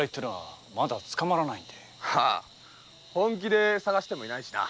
ああ本気で捜してもいないしな。